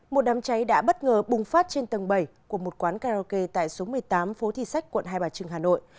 một đám cháy đã bất ngờ bùng phát trên tầng bảy của một quán karaoke tại số một mươi tám phố thị sách quận hai bà trưng hà nội